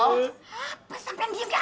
hah pas sampian diem kah